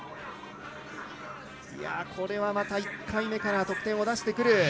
これは、また１回目から得点を出してくる。